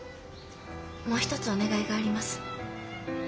もう一つお願いがあります。